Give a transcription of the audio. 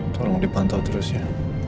tolong dipantau terus ya